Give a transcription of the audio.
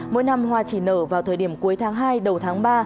mỗi năm hoa chỉ nở vào thời điểm cuối tháng hai đầu tháng ba